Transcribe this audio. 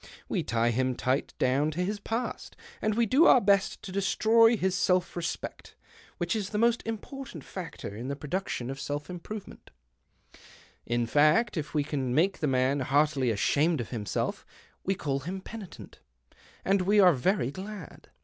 We tie him tight down to his past, and we do our best to destroy his self respect, which is the most important factor in the production 128 THE OCTAVE OF CLAUDIUS. of self improvement. In fact, if we can make the man heartily ashamed of himself, we call him penitent, and we are very glad.